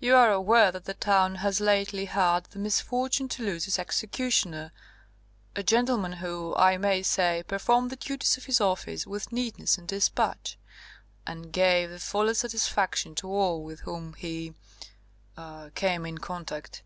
You are aware that the town has lately had the misfortune to lose its executioner, a gentleman who, I may say, performed the duties of his office with neatness and dispatch, and gave the fullest satisfaction to all with whom he er came in contact.